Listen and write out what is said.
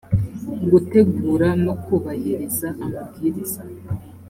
gutegura no kubahiriza amabwiriza